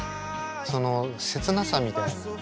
その切なさみたいなものと。